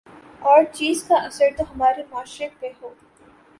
اور چیز کا اثر تو ہمارے معاشرے پہ ہو